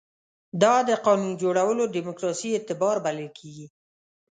دا د قانون جوړولو دیموکراسي اعتبار بلل کېږي.